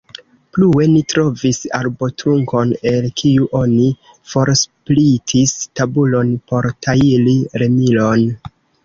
Plue ni trovis arbotrunkon, el kiu oni forsplitis tabulon por tajli remilon.